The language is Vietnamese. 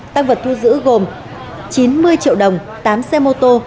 tăng vật thu giữ gồm chín mươi triệu đồng tám xe mô tô